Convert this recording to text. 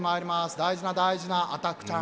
大事な大事なアタックチャンス。